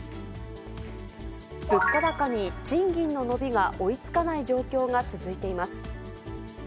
物価高に賃金の伸びが追いつかない状況が続いています。